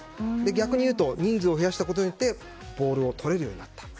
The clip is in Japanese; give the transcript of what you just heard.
逆に言うと人数を増やしたことによってボールをとれるようになった。